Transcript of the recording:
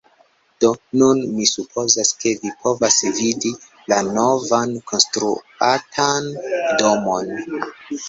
Do, nun mi supozas, ke vi povas vidi la novan, konstruatan domon